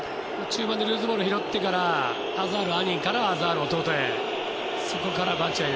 中盤でルーズボールを拾ってから、アザール兄からアザール弟へ。